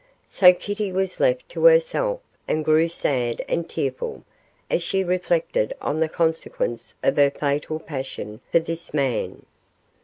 So Kitty was left to herself, and grew sad and tearful, as she reflected on the consequence of her fatal passion for this man.